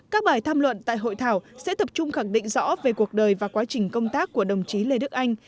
các bài tham luận tại hội thảo sẽ tập trung khẳng định rõ về cuộc đời và quá trình công tác của đồng chí lê đức anh